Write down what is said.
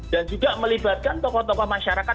dan juga melibatkan tokoh tokoh masyarakat